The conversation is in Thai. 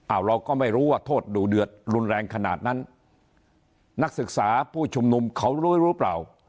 เราก็ไม่รู้ว่าโทษดูเดือดรุนแรงขนาดนั้นนักศึกษาผู้ชุมนุมเขารู้หรือเปล่า